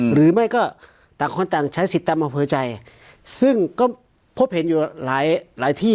หรือไม่ก็ต่างคนต่างใช้สิทธิ์ตามอำเภอใจซึ่งก็พบเห็นอยู่หลายหลายที่